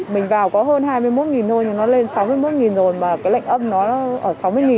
mình vào có hơn hai mươi một thôi thì nó lên sáu mươi một rồi mà cái lệnh âm nó ở sáu mươi